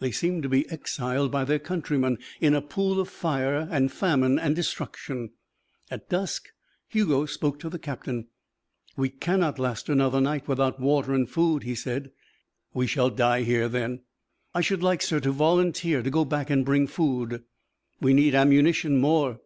They seemed to be exiled by their countrymen in a pool of fire and famine and destruction. At dusk Hugo spoke to the captain. "We cannot last another night without water, food," he said. "We shall die here, then." "I should like, sir, to volunteer to go back and bring food." "We need ammunition more."